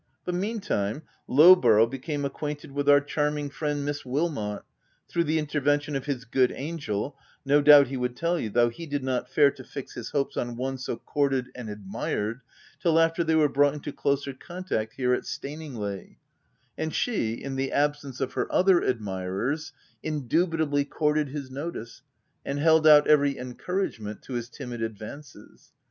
But meantime, Lowborough became acquainted with our charming friend, Miss Wilmot — through the intervention of his good angel, no doubt he would tell you, though he did not dare to fix his hopes on one so courted and admired, till after they were brought into closer contact here at Staningley, and she, in the absence of her other OF WILDFELL HALL. 55 admirers, indubitably courted his notice and held out every encouragement to his timid ad vances.